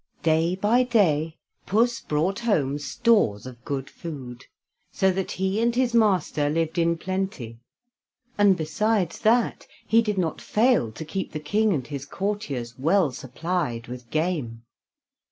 Day by day Puss brought home stores of good food, so that he and his master lived in plenty, and besides that, he did not fail to keep the King and his courtiers well supplied with game.